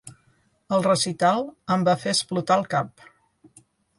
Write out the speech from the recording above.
El recital em va fer explotar el cap.